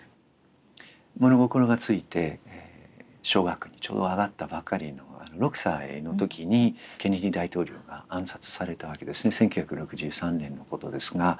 物心が付いて小学校にちょうど上がったばかりの６歳の時にケネディ大統領が暗殺されたわけですね１９６３年のことですが。